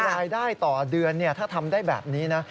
รายได้ต่อเดือนถ้าทำได้แบบนี้นะ